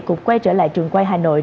cùng quay trở lại trường quay hà nội